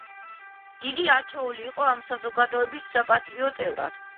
იგი არჩეული იყო ამ საზოგადოების საპატიო წევრად.